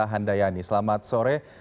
mita handayani selamat sore